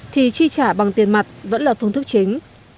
thì chi trả bằng tiền mặt vẫn là phương thức chính